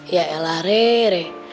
ya elah reh